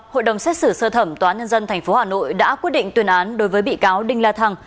hội đồng xét xử sơ thẩm tòa nhân dân tp hà nội đã quyết định tuyên án đối với bị cáo đinh la thăng